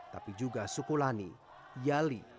tapi juga suku lani yali